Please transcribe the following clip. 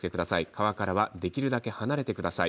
川からはできるだけ離れてください。